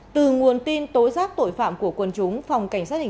từ nguồn tin tối giác tội phạm của quân chúng